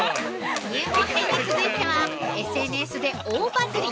◆入門編に続いては、ＳＮＳで大バズり！